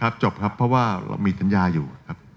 ครับจบครับเพราะว่ามีสัญญาอยู่ครับ